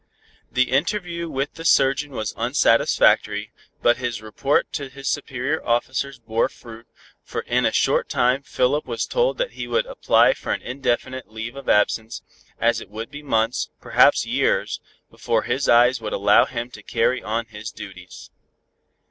The interview with the surgeon was unsatisfactory, but his report to his superior officers bore fruit, for in a short time Philip was told that he should apply for an indefinite leave of absence, as it would be months, perhaps years, before his eyes would allow him to carry on his duties.